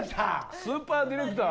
スーパーディレクター？